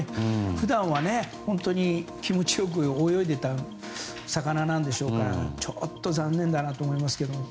普段は気持ちよく泳いでいた魚なんでしょうからちょっと残念だなと思いますけど。